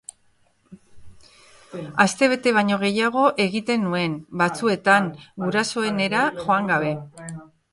Astebete baino gehiago egiten nuen, batzuetan, gurasoenera joan gabe.